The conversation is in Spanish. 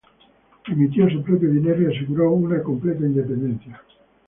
Emitió su propio dinero y aseguró una completa independencia.